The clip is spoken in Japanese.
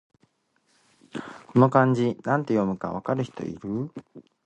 この漢字、なんて読むか分かる人いる？